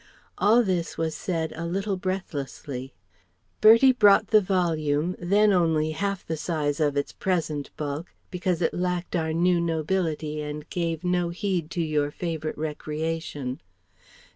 All this was said a little breathlessly. Bertie brought the volume, then only half the size of its present bulk, because it lacked our new nobility and gave no heed to your favourite recreation.